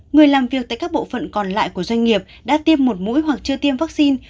người làm việc tại các bộ phận còn lại của doanh nghiệp đã tiêm một mũi hoặc chưa tiêm vaccine